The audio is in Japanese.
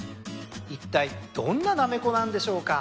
いったいどんななめこなんでしょうか。